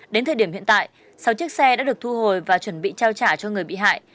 đến thời điểm hiện tại sáu chiếc xe đã được thu hồi và chuẩn bị trao trả cho người bị hại